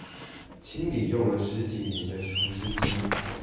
清理用了十幾年的除濕機